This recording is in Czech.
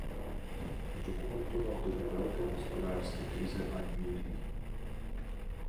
Dokumentoval dobu Velké hospodářské krize a New Deal.